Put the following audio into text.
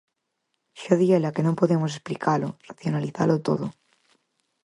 Xa di ela que non podemos explicalo, racionalizalo, todo.